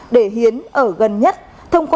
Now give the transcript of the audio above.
để hiến ở gần nhất thông qua